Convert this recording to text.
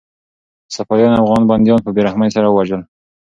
صفویانو افغان بندیان په بې رحمۍ سره ووژل.